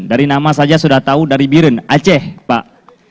dari nama saja sudah tahu dari biren aceh pak